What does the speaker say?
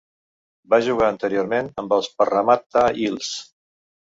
Va jugar anteriorment amb els Parramatta Eels.